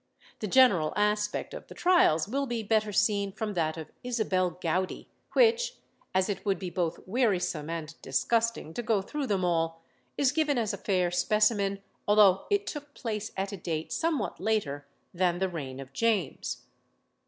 The general aspect of the trials will be better seen from that of Isabel Gowdie, which, as it would be both wearisome and disgusting to go through them all, is given as a fair specimen, although it took place at a date somewhat later than the reign of James.